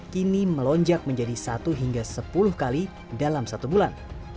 kini melonjak menjadi satu hingga sepuluh kali dalam satu bulan